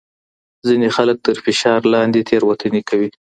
ځینې خلک تر فشار لاندې تېروتنې کوي.